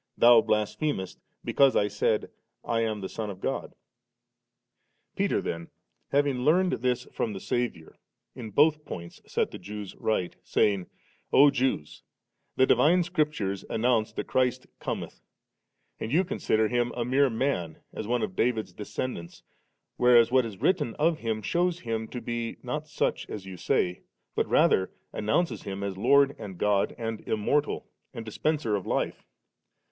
Thou blasphemest, because I said, I am the Son of God 9?' i& Peter then, having learned this from the Saviour, in both points set the Jews right, saying, " O Jews, the divine Scriptures announce that Christ cometh, and you consider Him a mere man as one of David's descendants, whereas what is written of Him shews Him I to be not such as you say, but rather an i nounces Him as Lord and God, and immortal, and dispenser of life.